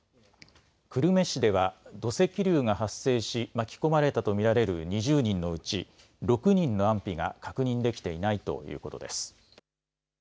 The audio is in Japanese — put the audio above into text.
久留米市では、土石流が発生し巻き込まれたと見られる２０人のうち６人の安否が確認できていないということです。